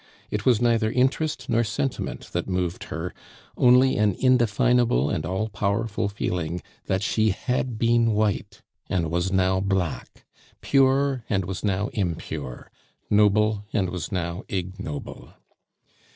It was neither interest nor sentiment that moved her, only an indefinable and all powerful feeling that she had been white and was now black, pure and was now impure, noble and was now ignoble.